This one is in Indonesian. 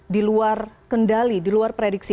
di luar kendali di luar prediksi